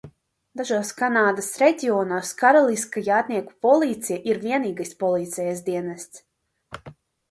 Dažos Kanādas reģionos Karaliskā jātnieku policija ir vienīgais policijas dienests.